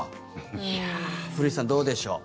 古市さん、どうでしょう。